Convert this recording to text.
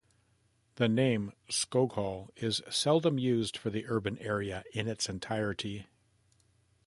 The name Skoghall is seldom used for the urban area in its entirety.